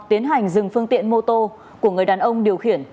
tiến hành dừng phương tiện mô tô của người đàn ông điều khiển